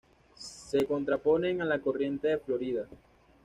Se contraponen a la corriente de Florida